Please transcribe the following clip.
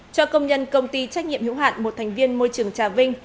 cho công nhân công ty trách nhiệm hữu hạn một thành viên môi trường trà vinh